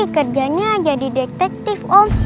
kerjanya jadi detektif om